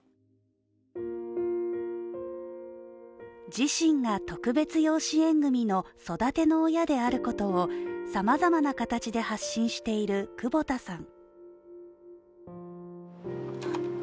自身が、特別養子縁組の育ての親であることをさまざまな形で発信している久保田さん。